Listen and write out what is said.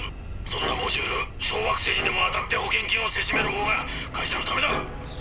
そんなモジュール小惑星にでも当たって保険金をせしめるほうが会社のためだ！」。